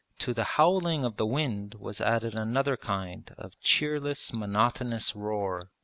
To the howling of the wind was added another kind of cheerless monotonous roar.